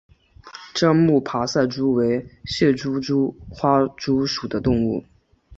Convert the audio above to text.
樟木爬赛蛛为蟹蛛科花蛛属的动物。